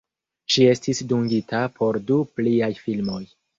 Ŝi estis dungita por du pliaj filmoj.